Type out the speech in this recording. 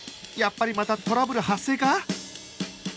やっぱりまたトラブル発生か？